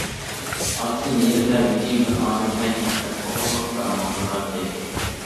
ئاتىسى نېرىدا ۋىجىك بىر ئادەم بىلەن كەپتەر توغرىلىق پاراڭلىشىۋاتاتتى.